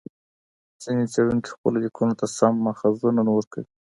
ځیني څېړونکي خپلو لیکنو ته سم ماخذونه نه ورکوي.